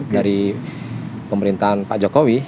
dari pemerintahan pak jokowi